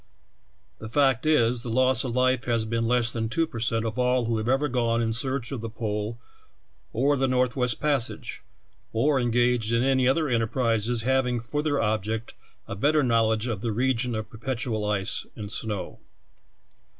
The fact is, the loss of life has been less than two per cent of all who have ever gone in search of the Pole or of the Northwest Passage, or engaged in any other enterprises having for their object a 37 38 I'HE TALKING HANDKERCPIIEF. better knowledge of the region of perpetual ice and snow.